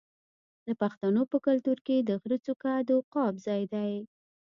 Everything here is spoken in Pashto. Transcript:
د پښتنو په کلتور کې د غره څوکه د عقاب ځای دی.